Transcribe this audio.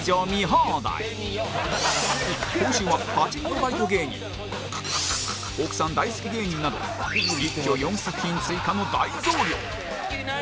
今週はパチンコバイト芸人奥さん大好き芸人など一挙４作品追加の大増量！